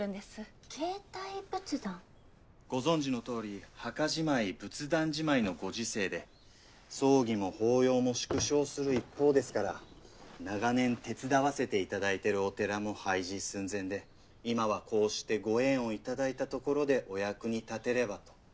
ご存じのとおり墓じまい仏壇じまいのご時世で葬儀も法要も縮小する一方ですから長年手伝わせていただいてるお寺も廃寺寸前で今はこうしてご縁を頂いたところでお役に立てればと。